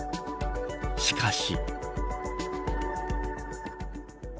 しかし。